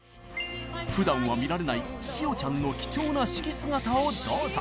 ふだんは見られない塩ちゃんの貴重な指揮姿をどうぞ！